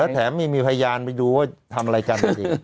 และแถมมีพยานไปดูว่าทำอะไรกันดี